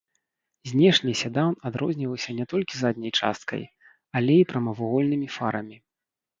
Знешне седан адрозніваўся не толькі задняй часткай, але і прамавугольнымі фарамі.